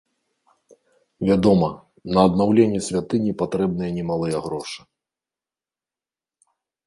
Вядома, на аднаўленне святыні патрэбныя немалыя грошы.